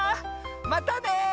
またね！